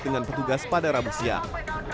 dengan petugas pada rabu siang